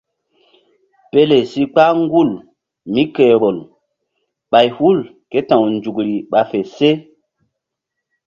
Pele si kpah gul mí ke vbol bay hul ké ta̧w nzukri ɓa fe se.